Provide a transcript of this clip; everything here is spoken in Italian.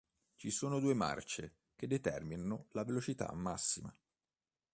Ci sono due marce che determinano la velocità massima.